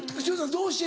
どうして。